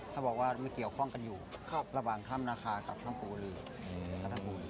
ให้บอกว่าไม่เกี่ยวข้องกันอยู่ระหว่างถ้ำนาคากับท่านปู่อือ